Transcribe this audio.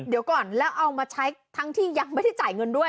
เดี๋ยวก่อนแล้วเอามาใช้ทั้งที่ยังไม่ได้จ่ายเงินด้วย